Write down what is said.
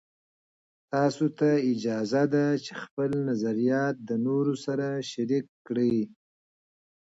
تاسې ته اجازه ده چې خپل نظریات د نورو سره شریک کړئ.